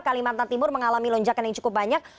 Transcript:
kalimantan timur mengalami lonjakan yang cukup banyak